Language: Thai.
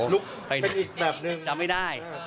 ลูกเป็นอีกแบบหนึ่งนะครับจำไม่ได้ค่ะค่ะ